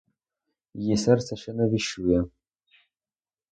Її серце ще не віщує.